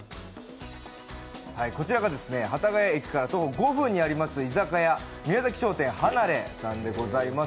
こちらが幡ヶ谷駅から徒歩５分にあります居酒屋、ミヤザキ商店はなれさんでございます。